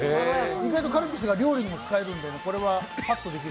意外とカルピスは料理にも使えるので。